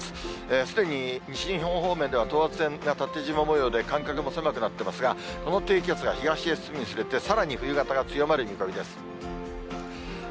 すでに西日本方面では等圧線が縦じまもようで間隔も狭くなってますが、この低気圧が東に進むにつれて、さらに冬型が強まる見込みです。